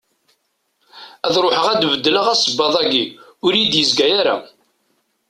Ad ruḥeɣ ad d-beddleɣ asebbaḍ-agi, ur iyi-d-izga ara.